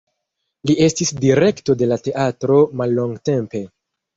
Li estis direkto de la teatro mallongtempe.